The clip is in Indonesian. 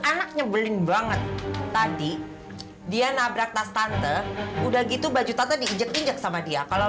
anak nyebelin banget tadi dia nabrak tas tante udah gitu baju tante diinjek injek sama dia kalau